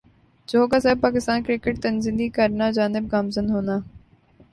جو کا سبب پاکستان کرکٹ تنزلی کرنا جانب گامزن ہونا